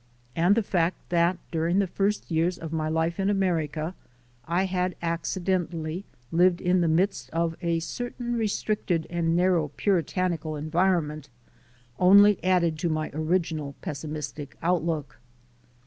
And the fact that during the first years of my life in America I had accidentally lived in the midst of a certain restricted and narrow Puri tanical environment, only added to my original pes simistic outlook.